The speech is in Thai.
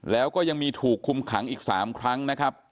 แล้วก็ยังมีถูกคุมขังอีก๓ครั้งนะครับ